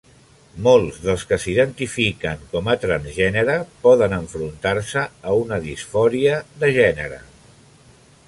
Molts dels que s'identifiquen com a transgènere poden enfrontar-se a una disfòria de gènere.